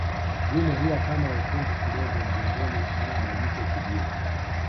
Dume huwa kama wekundu kidogo mgongoni na majike kijivu